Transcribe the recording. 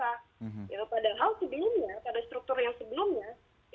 padahal sebelumnya pada struktur yang sebelumnya